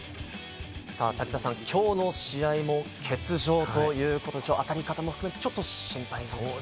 きょうの試合も欠場ということ、当たり方も含めてちょっと心配ですね。